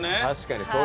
確かに。